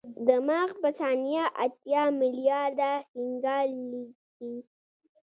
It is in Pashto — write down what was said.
دماغ په ثانیه اتیا ملیارده سیګنال لېږي.